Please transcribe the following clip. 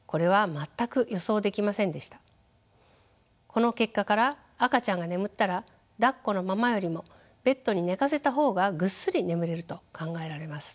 この結果から赤ちゃんが眠ったらだっこのままよりもベッドに寝かせた方がぐっすり眠れると考えられます。